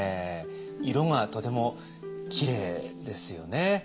色がとてもきれいですよね。